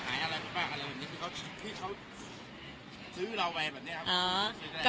มันหายอะไรที่บ้างอะไรแบบนี้ที่เขาที่เขาซื้อเราไว้แบบเนี้ยครับ